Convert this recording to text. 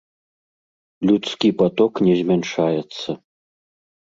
Людскі паток не змяншаецца.